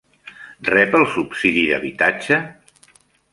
Rep el subsidi d'habitatge?